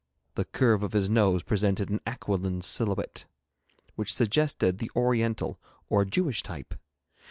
The curve of his nose presented an aquiline silhouette, which suggested the Oriental or Jewish type.